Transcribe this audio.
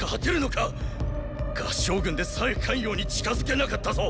合従軍でさえ咸陽に近づけなかったぞ。